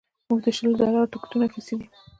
موږ د شل ډالرو ټکټونه اخیستي دي